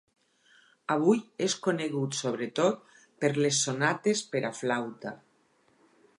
Avui és conegut sobretot per les sonates per a flauta.